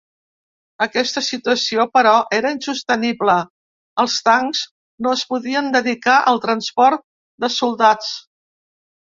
Aquesta situació però era insostenible, els tancs no es podien dedicar al transport de soldats.